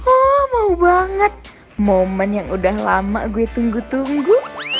oh mau banget momen yang udah lama gue tunggu tunggu